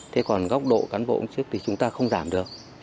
thế còn góc độ cán bộ cũng trước thì chúng ta không giảm được